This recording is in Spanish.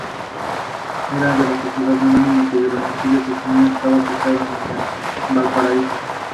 La nota final del curso se ponía a finales de septiembre, tras las prácticas.